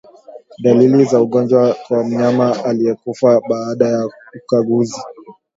Dalili za ugonjwa kwa mnyama aliyekufa baada ya ukaguzi